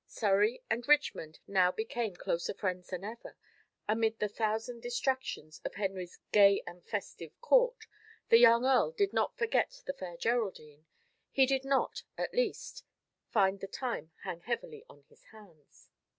Surrey and Richmond now became closer friends than ever; and if, amid the thousand distractions of Henry's gay and festive court, the young earl did not forget the Fair Geraldine, he did not, at least, find the time hang heavily on his hands.